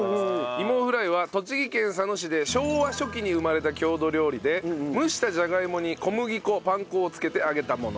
いもフライは栃木県佐野市で昭和初期に生まれた郷土料理で蒸したじゃがいもに小麦粉パン粉を付けて揚げたもの。